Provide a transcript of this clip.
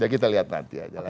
kita lihat nanti aja lah